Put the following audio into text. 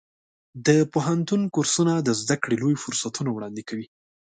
د پوهنتون کورسونه د زده کړې لوی فرصتونه وړاندې کوي.